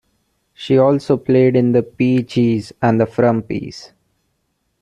She also played in The PeeChees and The Frumpies.